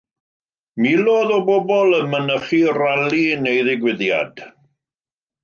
Miloedd o bobl yn mynychu rali neu ddigwyddiad.